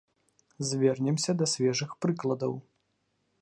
Звернемся да свежых прыкладаў.